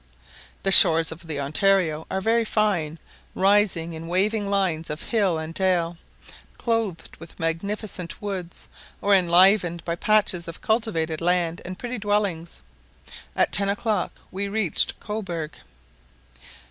The shores of the Ontario are very fine, rising in waving lines of hill and dale, clothed with magnificent woods, or enlivened by patches of cultivated land and pretty dwellings. At ten o'clock we reached Cobourg.